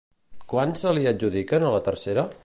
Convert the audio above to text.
Quants se li adjudiquen a la tercera?